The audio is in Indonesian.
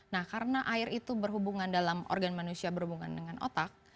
nah karena air itu berhubungan dalam organ manusia berhubungan dengan otak